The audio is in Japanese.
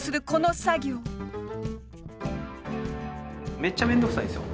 めっちゃ面倒くさいんですよ